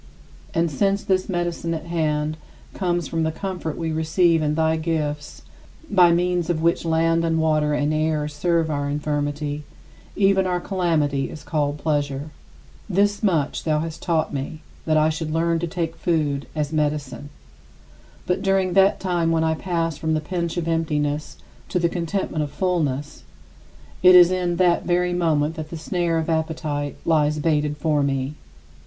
And since this medicine at hand comes from the comfort we receive in thy gifts (by means of which land and water and air serve our infirmity), even our calamity is called pleasure. 44. This much thou hast taught me: that I should learn to take food as medicine. But during that time when I pass from the pinch of emptiness to the contentment of fullness, it is in that very moment that the snare of appetite lies baited for me.